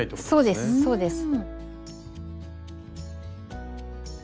そうですそうです。